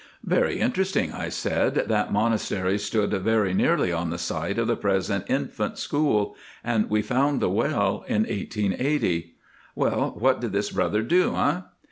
"Very interesting," I said, "that monastery stood very nearly on the site of the present infant school, and we found the well in 1880. Well, what did this brother do, eh?"